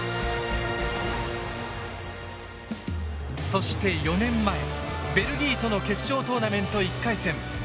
そして４年前ベルギーとの決勝トーナメント１回戦。